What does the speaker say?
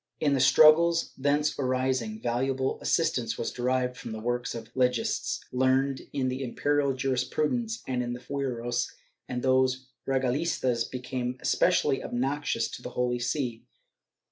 In the struggles thence arising, valuable assistance was derived from the works of legists, learned in the imperial jurisprudence and in the fueros, and these regalistas became especially obnoxious to the Holy See.